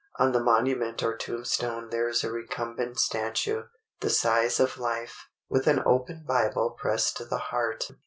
On the monument or tombstone there is a recumbent statue, the size of life, with an open Bible pressed to the heart.